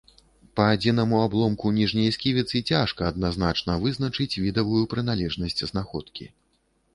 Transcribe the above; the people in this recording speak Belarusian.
Па адзінаму абломку ніжняй сківіцы цяжка адназначна вызначыць відавую прыналежнасць знаходкі.